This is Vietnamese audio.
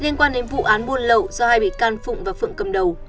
liên quan đến vụ án buôn lậu do hai bị can phụng và phượng cầm đầu